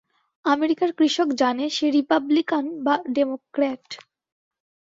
আমেরিকার কৃষক জানে, সে রিপাবলিকান বা ডেমোক্রাট।